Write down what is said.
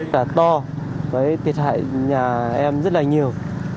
cả to với thiệt hại nhà em rất là nhiều